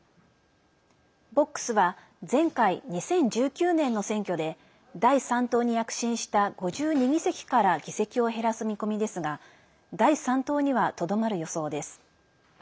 ボックスは前回２０１９年の選挙で第３党に躍進した５２議席から議席を減らす見込みですが第３党には、とどまる予想です。